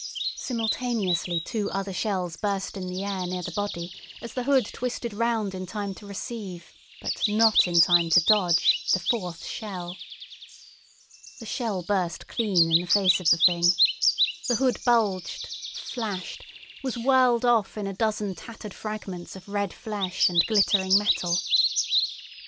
Simultaneously two other shells burst in the air near the body as the hood twisted round in time to receive, but not in time to dodge, the fourth shell. The shell burst clean in the face of the Thing. The hood bulged, flashed, was whirled off in a dozen tattered fragments of red flesh and glittering metal.